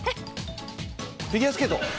フィギュアスケート。